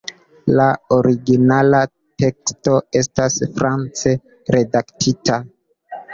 La originala teksto estas france redaktita.